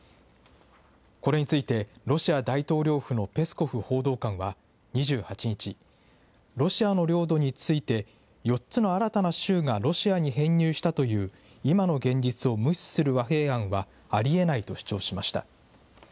これについて、ロシア大統領府のペスコフ報道官は２８日、ロシアの領土について、４つの新たな州がロシアに編入したという今の現実を無視する和平案はありえないと主張しました。